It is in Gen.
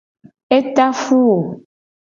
E ta fu wo.